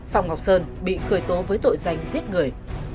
phạm ngọc sơn bị khởi tố với tội danh giết người